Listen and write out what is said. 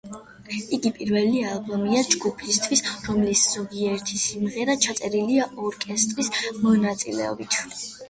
იგი პირველი ალბომია ჯგუფისთვის, რომლის ზოგიერთი სიმღერა ჩაწერილია ორკესტრის მონაწილეობით.